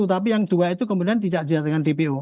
tapi yang dua itu kemudian tidak jelas dengan dpo